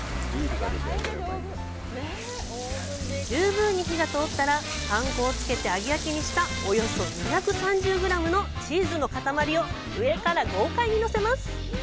十分に火が通ったら、パン粉をつけて揚げ焼きにしたおよそ２３０グラムのチーズの塊を上から豪快に載せます。